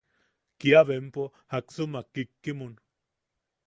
Kia bempo jaksumak kikimun.